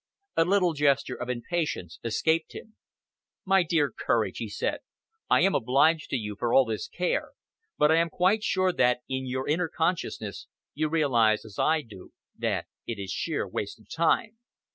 A little gesture of impatience escaped him. "My dear Courage," he said, "I am obliged to you for all this care; but I am quite sure that, in your inner consciousness, you realize as I do that it is sheer waste of time."